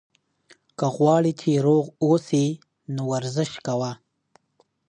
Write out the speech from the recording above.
که غواړې چې روغ اوسې، نو ورزش کوه.